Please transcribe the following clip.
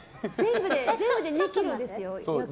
全部で２ｋｇですよ。